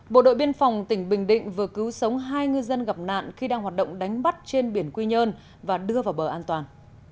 bộ đội biên phòng tỉnh bình định vừa cứu sống hai ngư dân gặp nạn khi đang hoạt động đánh bắt trên biển quy nhơn và đưa vào bờ an toàn